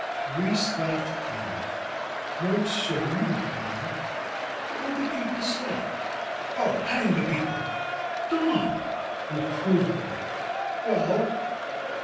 Therese laughed gaily. '^No, sir; you won't do that. What would the people say?" ' "Oh, hang the people !" "Don !'' reprovingly. "Well?"